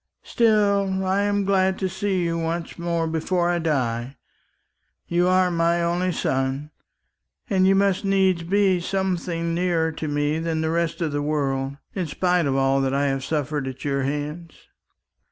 Still, I am glad to see you once more before I die. You are my only son, and you must needs be something nearer to me than the rest of the world, in spite of all that I have suffered at your hands."